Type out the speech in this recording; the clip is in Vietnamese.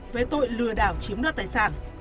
với tội lừa đảo chiếm đoạt tài sản